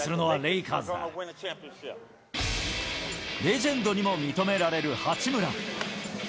レジェンドにも認められる八村。